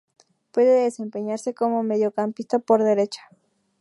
Puede desempeñarse como mediocampista por derecha.